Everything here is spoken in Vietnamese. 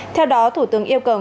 theo đó thủ tướng yêu cầu ngân hàng